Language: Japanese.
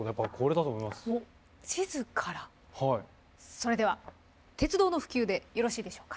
それでは「鉄道の普及」でよろしいでしょうか？